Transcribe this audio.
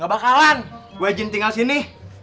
gak bakalan gue izin tinggal sini